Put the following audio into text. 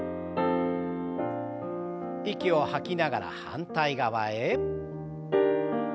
息を吐きながら反対側へ。